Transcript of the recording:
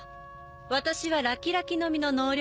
私はラキラキの実の能力者。